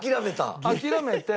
諦めた？